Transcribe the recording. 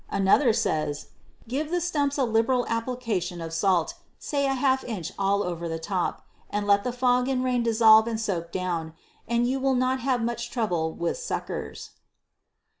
Another says: Give the stumps a liberal application of salt, say a half inch all over the top, and let the fog and rain dissolve and soak down, and you will not have much trouble with suckers.